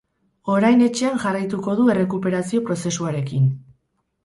Orain etxean jarraituko du errekuperazio prozesuarekin.